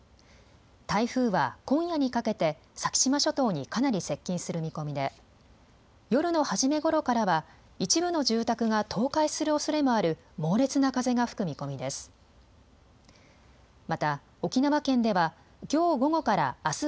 台風は今夜にかけて先島諸島にかなり接近する見込みで夜の初めごろからは一部の住宅が倒壊するおそれもある猛烈な風が吹く見込みです。